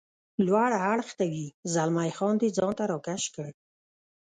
لوړ اړخ ته وي، زلمی خان دی ځان ته را کش کړ.